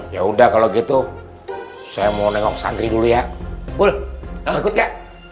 ya udah kalau gitu saya mau nengok sangri dulu ya